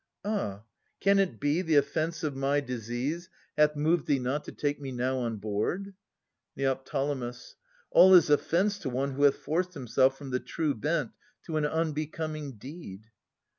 Ah ! Can it be, the offence of my disease Hath moved thee not to take me now on board ? Neo. All is offence to one who hath forced himself From the true bent to an unbecoming deed.